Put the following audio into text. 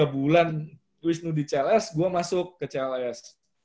tiga bulan wisnu di cls gue masuk ke cls